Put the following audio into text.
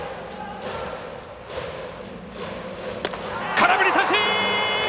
空振り三振。